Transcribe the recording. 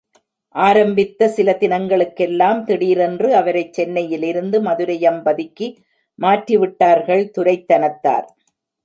ஆரம்பித்த சில தினங்களுக் கெல்லாம், திடீரென்று அவரைச் சென்னையிலிருந்து மதுரையம்பதிக்கு மாற்றிவிட்டார்கள் துரைத்தனத்தார்.